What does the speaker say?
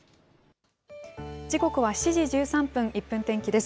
時刻は７時１３分、１分天気です。